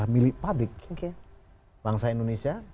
milik padik bangsa indonesia